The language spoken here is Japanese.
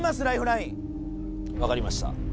ライフライン分かりました